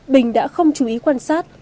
bình đã không chú ý quan sát